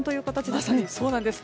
まさにそうなんです。